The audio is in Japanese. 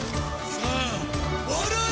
さあ笑え！